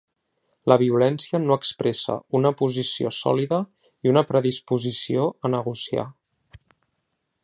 La violència no expressa una posició sòlida i una predisposició a negociar.